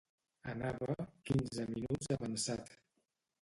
Anava quinze minuts avançat.